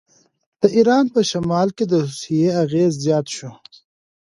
د ایران په شمال کې د روسیې اغېز زیات شو.